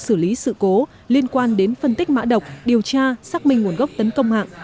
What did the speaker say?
xử lý sự cố liên quan đến phân tích mã độc điều tra xác minh nguồn gốc tấn công mạng